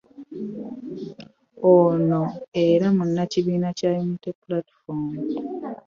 Ono era munnakibiina kya National Unity Platform